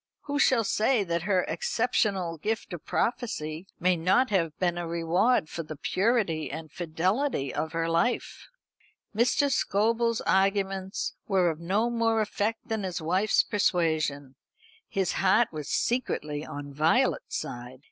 Who shall say that her exceptional gift of prophecy may not have been a reward for the purity and fidelity of her life?" Mr. Scobel's arguments were of no more effect than his wife's persuasion. His heart was secretly on Violet's side.